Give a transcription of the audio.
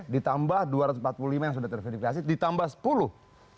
ditambah dua ratus empat puluh lima yang sudah terverifikasi ditambah sepuluh